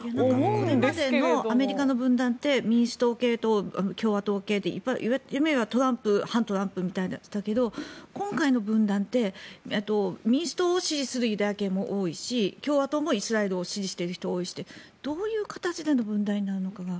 これまでのアメリカの分断って民主党系と共和党系で言ってみれば、トランプと反トランプみたいな人だけど今回の分断って民主党を支持するユダヤ系も多いし共和党もイスラエルを支持している人が多いしでどういう形での分断になるのかなと。